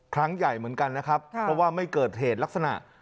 ครั้งใหญ่เหมือนกันนะครับเพราะว่าไม่เกิดเหตุลักษณะ